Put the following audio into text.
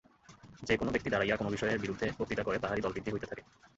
যে-কোন ব্যক্তি দাঁড়াইয়া কোন বিষয়ের বিরুদ্ধে বক্তৃতা করে, তাহারই দলবৃদ্ধি হইতে থাকে।